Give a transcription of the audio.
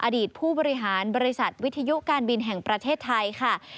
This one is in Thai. อดีตผู้บริหารบริษัทวิทยุการบินแห่งประเทศไทยค่ะ